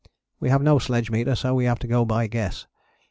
We have no sledge meter so we have to go by guess.